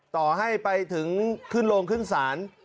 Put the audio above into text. ต่อให้ไปถึงขึ้นโรงขึ้นศาล